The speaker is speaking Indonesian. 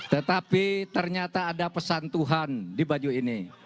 tetapi ternyata ada pesan tuhan di baju ini